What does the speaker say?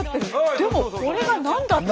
でもこれが何だって。